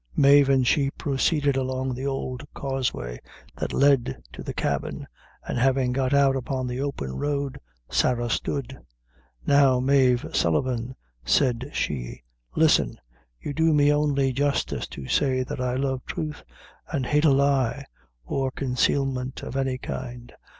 Mave and she proceeded along the old causeway that led to the cabin, and having got out upon the open road, Sarah stood. "Now, Mave Sullivan," said she, "listen you do me only justice to say that I love truth, an' hate a lie, or consalement of any kind.